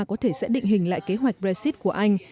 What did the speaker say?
có thể sẽ định hình lại kế hoạch brexit của anh